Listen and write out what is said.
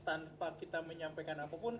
tanpa kita menyampaikan apapun